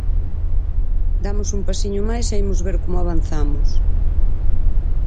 Damos un pasiño máis e imos ver como avanzamos.